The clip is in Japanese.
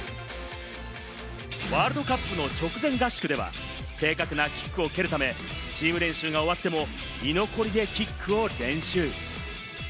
ワールドカップの直前合宿では、正確なキックを蹴るため、チーム練習が終わっても居残りでキックを練習。